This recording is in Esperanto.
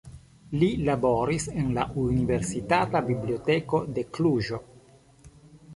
Li laboris en la Universitata Biblioteko de Kluĵo.